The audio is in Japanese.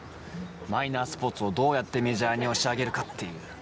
マイナースポーツをどうやってメジャーに押し上げるかっていう。